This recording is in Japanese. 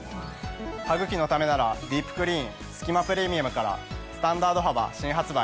「歯ぐきのためならディープクリーンすき間プレミアム」からスタンダード幅新発売。